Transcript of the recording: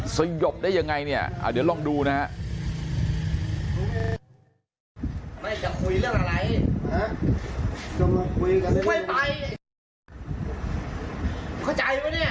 สยบได้ยังไงเนี่ยเดี๋ยวลองดูนะฮะ